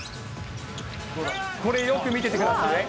これ、よく見ててください。